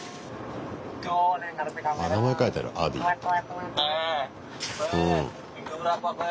名前書いてある「アディー」って。